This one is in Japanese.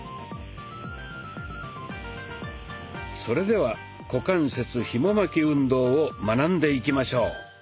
それでは「股関節ひも巻き運動」を学んでいきましょう。